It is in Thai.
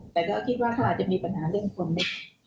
แต่ก็คิดว่าขวาจะมีปัญหาเรื่องคนนะ